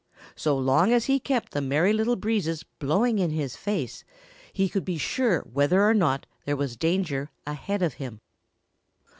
So long as he kept the Merry Little Breezes blowing in his face, he could be sure whether or not there was danger ahead of him.